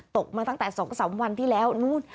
ตกมาตั้งแต่๒๓วันที่แล้วนู้น